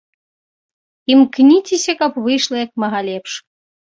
Імкніцеся, каб выйшла як мага лепш.